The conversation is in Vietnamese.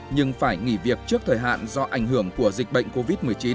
nhưng phải nghỉ việc trước thời hạn do ảnh hưởng của dịch bệnh covid một mươi chín